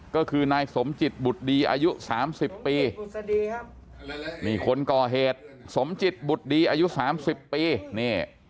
ก็คือนายสมจิตบุตรดีอายุสามสิบปีนี่คนก่อเหตุสมจิตบุตรดีอายุ๓๐ปีนี่